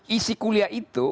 isi kuliah itu